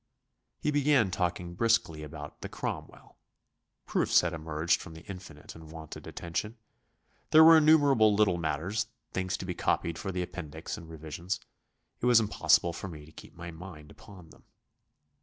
He began talking briskly about the "Cromwell;" proofs had emerged from the infinite and wanted attention. There were innumerable little matters, things to be copied for the appendix and revisions. It was impossible for me to keep my mind upon them.